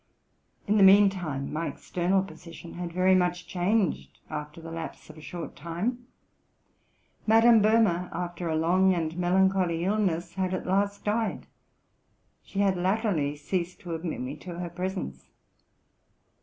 In the mean time, my external position had very much changed after the lapse of a short time. Madame Bohme, after a long and melancholy illness, had at last died: she had latterly ceased to admit me to her presence.